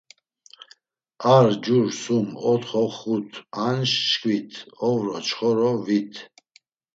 Ar, jur, sum, otxo, xut, anş, şkvit, ovro, çxovro, vit.